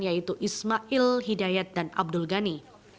yaitu ismail hidayat dan abdul ghani